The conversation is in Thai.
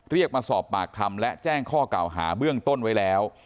เรียกมาสอบปากคำและแจ้งข้อกล่าวหาเบื้องต้นไว้แล้ว